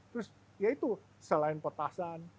terus ya itu selain petasan